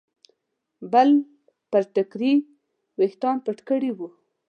بلې پر ټیکري ویښتان پټ کړي وو.